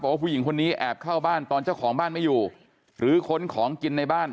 ว่าผู้หญิงคนนี้แอบเข้าบ้านตอนเจ้าของบ้านไม่อยู่หรือค้นของกินในบ้าน